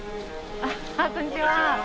あっこんにちは。